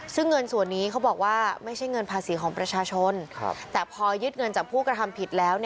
ซึ่งเงินส่วนนี้เขาบอกว่าไม่ใช่เงินภาษีของประชาชนแต่พอยึดเงินจากผู้กระทำผิดแล้ว